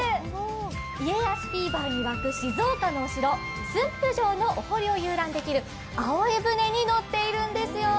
家康フィーバーに沸く静岡のお城、駿府城のお堀を遊覧できる、葵舟に乗っているんですよ。